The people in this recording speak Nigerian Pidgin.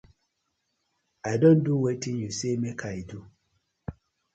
I don do wetin yu say mak I do.